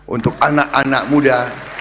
untuk anak anak muda